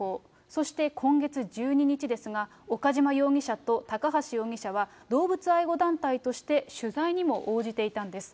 そして今月１２日ですが、岡島容疑者と高橋容疑者は、動物愛護団体として取材にも応じていたんです。